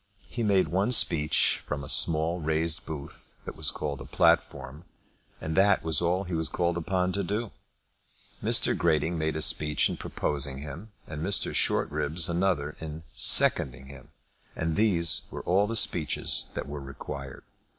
He made one speech from a small raised booth that was called a platform, and that was all that he was called upon to do. Mr. Grating made a speech in proposing him, and Mr. Shortribs another in seconding him; and these were all the speeches that were required.